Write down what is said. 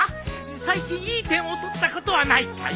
最近いい点を取ったことはないかい？